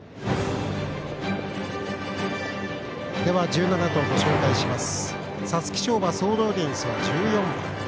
では、１７頭、ご紹介します。